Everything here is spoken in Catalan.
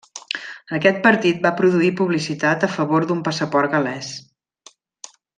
Aquest partit va produir publicitat a favor d'un passaport gal·lès.